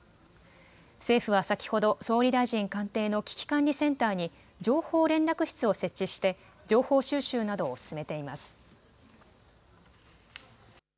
政府は先ほど総理大臣官邸の危機管理センターに情報連絡室を設置して情報収集などを進めています。